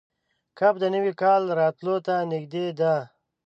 کب د نوي کال راتلو ته نږدې ده.